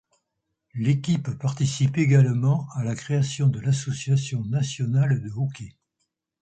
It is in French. L'équipe participe également à la création de l'Association nationale de hockey.